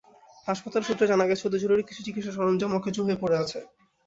হাসপাতাল সূত্রে জানা গেছে, অতি জরুরি কিছু চিকিৎসাসরঞ্জাম অকেজো হয়ে পড়ে আছে।